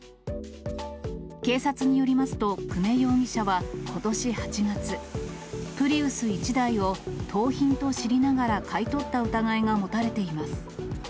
警察によりますと、久米容疑者はことし８月、プリウス１台を盗品と知りながら買い取った疑いが持たれています。